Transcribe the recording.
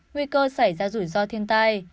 nguy cơ xảy ra rủi ro thiên tai